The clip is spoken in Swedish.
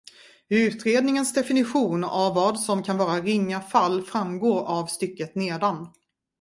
Utredningens definition av vad som kan vara ringa fall framgår av stycket nedan.